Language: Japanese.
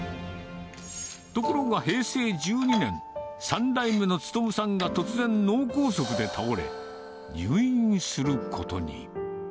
ところが平成１２年、３代目の力さんが突然、脳梗塞で倒れ、入院することに。